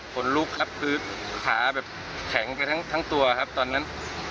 คนลุกครับคือขาแบบแข็งไปทั้งตัวครับตอนนั้น